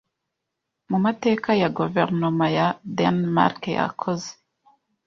mu mateka ya guverinoma ya Danemark Yakoze